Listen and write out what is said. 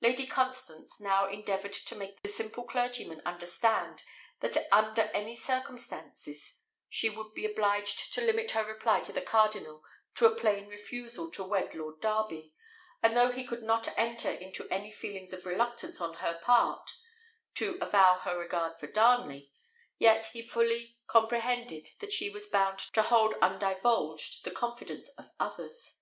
Lady Constance now endeavoured to make the simple clergyman understand, that under any circumstances she would be obliged to limit her reply to the cardinal to a plain refusal to wed Lord Darby; and though he could not enter into any feelings of reluctance on her part to avow her regard for Darnley, yet he fully comprehended that she was bound to hold undivulged the confidence of others.